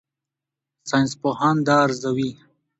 ساینسپوهان دا ارزوي.